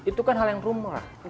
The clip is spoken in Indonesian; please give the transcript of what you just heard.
itu kan hal yang rumur lah